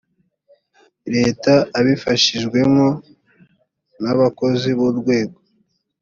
leta abifashijwemo n abakozi b urwego